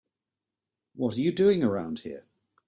What are you doing around here?